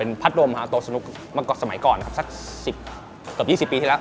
เป็นพัดโดมค่ะโต๊ะสนุกเมื่อก่อนสมัยก่อนสัก๑๐เกือบ๒๐ปีทีแล้ว